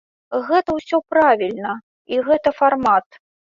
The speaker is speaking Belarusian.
Гэта ўсё правільна, і гэта фармат.